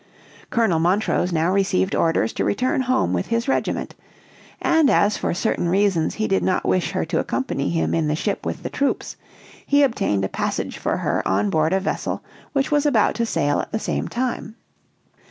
Colonel Montrose now received orders to return home with his regiment, and as for certain reasons he did not wish her to accompany him in the ship with the troops, he obtained a passage for her on board a vessel which was about to sail at the same time.